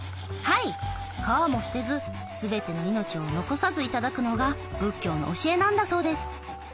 はい皮も捨てずすべての命を残さず頂くのが仏教の教えなんだそうです。